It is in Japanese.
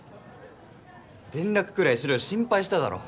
連絡くらいしろよ心配しただろ。